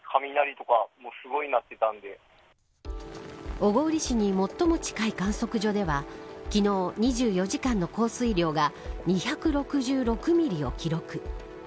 小郡市に最も近い観測所では昨日２４時間の降水量が２６６ミリを記録。